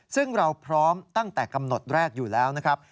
ซึ่งเราพร้อมตั้งแต่กำหนดแรกอยู่แล้วนะครับ